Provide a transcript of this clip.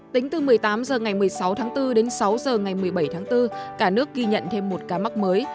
tính từ một mươi tám h ngày một mươi sáu tháng bốn đến sáu h ngày một mươi bảy tháng bốn cả nước ghi nhận thêm một ca mắc mới